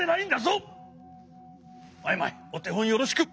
マイマイおてほんよろしく。